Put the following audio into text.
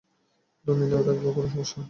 তুমি না থাকলেও কোনো সমস্যা নেই!